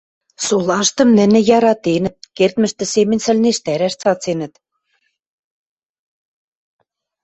Солаштым нӹнӹ яратенӹт, кердмӹштӹ семӹнь сӹлнештӓрӓш цаценӹт.